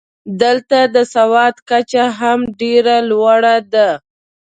دلته د سواد کچه هم ډېره لوړه ده.